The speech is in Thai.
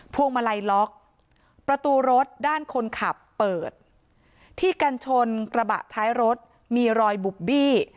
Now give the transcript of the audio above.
วงมาลัยล็อกประตูรถด้านคนขับเปิดที่กันชนกระบะท้ายรถมีรอยบุบบี้